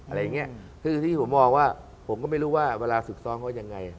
อะไรอย่างเงี้ยคือที่ผมมองว่าผมก็ไม่รู้ว่าเวลาฝึกซ้อมเขายังไง